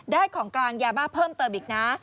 ของกลางยาบ้าเพิ่มเติมอีกนะ